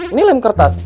ini lem kertas